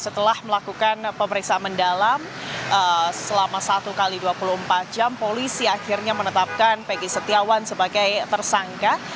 setelah dua puluh empat jam polisi akhirnya menetapkan pegi setiawan sebagai tersangka